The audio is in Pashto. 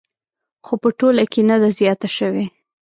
خو په ټوله کې نه ده زیاته شوې